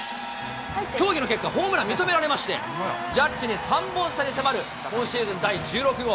協議の結果、ホームラン認められまして、ジャッジに３本差に迫る今シーズン第１６号。